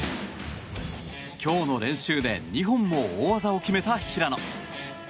今日の練習で２本も大技を決めた平野。